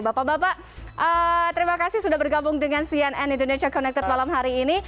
bapak bapak terima kasih sudah bergabung dengan cnn indonesia connected malam hari ini